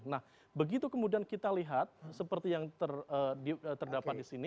nah begitu kemudian kita lihat seperti yang terdapat di sini